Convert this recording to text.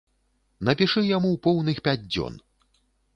Напішы яму поўных пяць дзён!